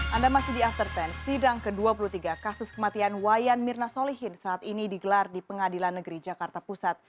anda masih di after sepuluh sidang ke dua puluh tiga kasus kematian wayan mirna solihin saat ini digelar di pengadilan negeri jakarta pusat